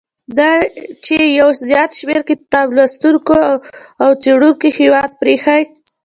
دا چې یو زیات شمیر کتاب لوستونکو او څېړونکو هیواد پریښی.